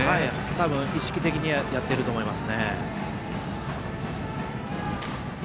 たぶん、意識的にやっていると思います。